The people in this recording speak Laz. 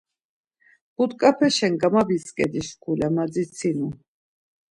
But̆ǩapeşen gamabitzǩedi şkule madzitsinu.